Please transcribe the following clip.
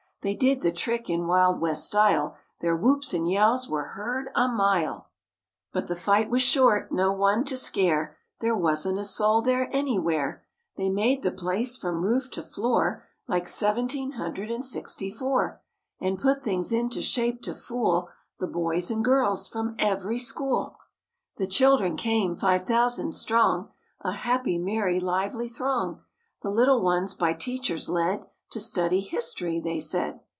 They did the trick in Wild West style; Their whoops and yells were heard a mile; mtt But the fight was short; no one to scare; There wasn't a soul there anywhere. They made the place from roof to floor Like seventeen hundred and sixty four And put things into shape to fool The boys and girls from every school. THE BEARS IN PITTSBURG The children came, five thousand strong, A happy, merry, lively throng; The little ones by teachers led To study history, they said.